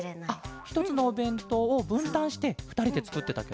ひとつのおべんとうをぶんたんしてふたりでつくってたケロ？